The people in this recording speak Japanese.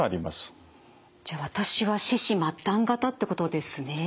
じゃ私は四肢末端型ってことですねえ。